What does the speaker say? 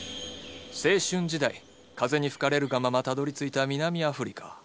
青春時代風に吹かれるがままたどりついた南アフリカ。